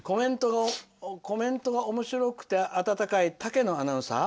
コメントがおもしろくて温かいたけのアナウンサー？